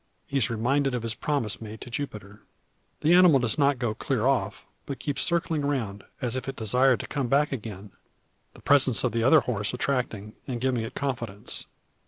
He is reminded of his promise made to Jupiter. The animal does not go clear off, but keeps circling round, as if it desired to come back again; the presence of the other horse attracting, and giving it confidence.